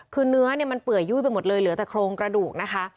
คือเนื้อเนี่ยมันเปื่อยยุ้ยไปหมดเลยเหลือแต่โครงกระดูกนะคะ